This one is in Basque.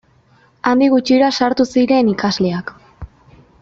Handik gutxira sartu zinen ikasleak.